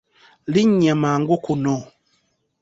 Linnya mangu kuno.